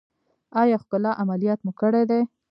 ایا ښکلا عملیات مو کړی دی؟